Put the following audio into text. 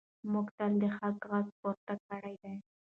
موږ تل د حق غږ پورته کړی دی.